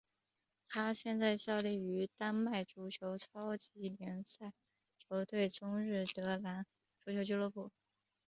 他现在效力于丹麦足球超级联赛球队中日德兰足球俱乐部。